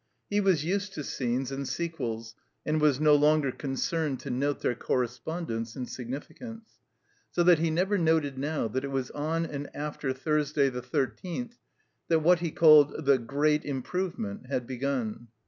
He was used to scg:cLeSk 197 THE COMBINED MAZE and sequels, and was no longer concerned to note their correspondence and significance. So that he never noted now that it was on and after Thursday, the thirteenth, that what he called the Great Im provement had begun.